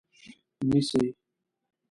نیسي